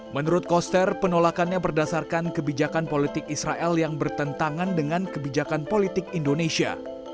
menurut koster penolakannya berdasarkan kebijakan politik israel yang bertentangan dengan kebijakan politik indonesia